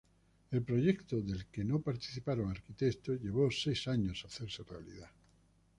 El proyecto, del que no participaron arquitectos, llevó seis años hacerse realidad.